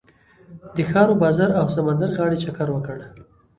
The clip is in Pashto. د ښار و بازار او سمندر غاړې چکر وکړ.